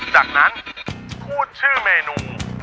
จากนั้นพูดชื่อเมนู